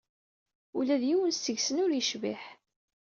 Ula d yiwen seg-sen ur yecbiḥ.